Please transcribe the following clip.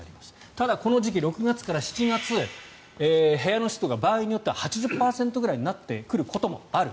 ただ、この時期６月から７月部屋の湿度が場合によっては８０％くらいになってくることもある。